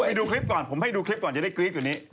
เอาไปดูคลิปก่อนผมให้ดูคลิปก่อนจะได้คลิปอยู่นี้